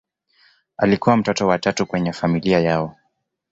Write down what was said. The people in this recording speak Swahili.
Alikuwa mtoto wa tatu kwenye familia yao.